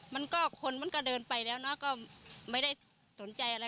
มันก็คนมันก็เดินไปแล้วเนอะก็ไม่ได้สนใจอะไร